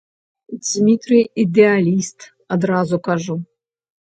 Дзмітрый ідэаліст, адразу кажу.